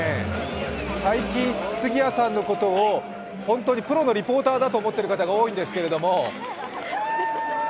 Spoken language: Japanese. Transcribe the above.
最近、杉谷さんのことをプロのリポーターだと思ってる方が多いんですけど。